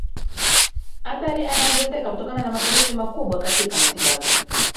athari anaongezeka kutokana na matumizi makubwa katika matibabu